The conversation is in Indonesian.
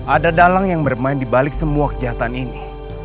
ada dalang yang bermain di balik semua kejahatan ini